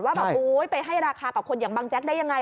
ว่าไปให้ราคากับคนอย่างบางแจ๊กได้อย่างไร